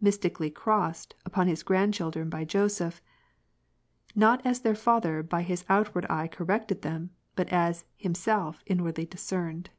mystically crossed, upon his grandchildren by Joseph, not as their father by his outward eye corrected them, but as him self inwardly discerned.